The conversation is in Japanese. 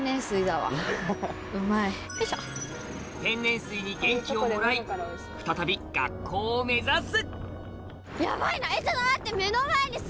天然水に元気をもらい再び学校を目指す！